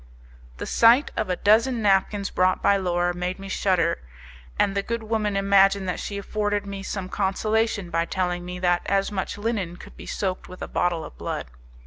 The sight of a dozen napkins brought by Laura made me shudder, and the good woman imagined that she afforded me some consolation by telling me that as much linen could be soaked with a bottle of blood.